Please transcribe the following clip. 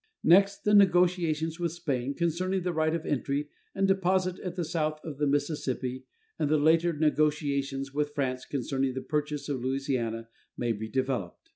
Next the negotiations with Spain concerning the right of entry and deposit at the mouth of the Mississippi and the later negotiations with France concerning the purchase of Louisiana may be developed.